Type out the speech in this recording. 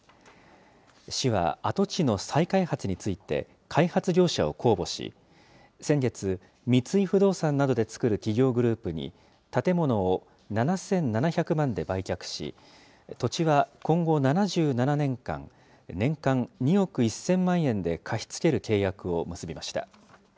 市は跡地の再開発について、開発業者を公募し、先月、三井不動産などで作る企業グループに建物を７７００万で売却し、土地は今後７７年間、年間２億１０００万円で貸し付ける契約を結びました。